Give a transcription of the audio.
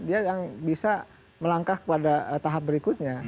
dia yang bisa melangkah pada tahap berikutnya